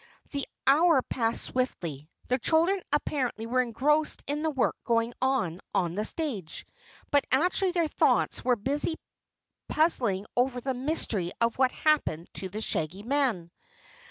The hour passed swiftly. The children apparently were engrossed in the work going on, on the stage, but actually their thoughts were busy puzzling over the mystery of what had happened to the Shaggy Man.